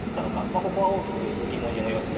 ここは大きく疑問に思いますね。